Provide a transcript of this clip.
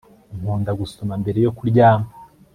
Nkunda gusoma mbere yo kuryama